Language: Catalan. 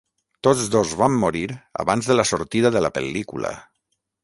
Tots dos van morir abans de la sortida de la pel·lícula.